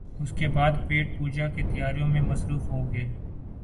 اس کے بعد پیٹ پوجا کی تیاریوں میں مصروف ہو گئے